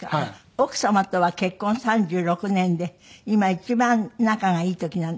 奥様とは結婚３６年で今一番仲がいい時なんですって？